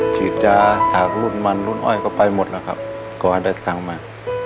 ฉีดยาถากรุ่นมันรุ่นอ้อยก็ไปหมดแล้วครับก่อนได้สั่งมา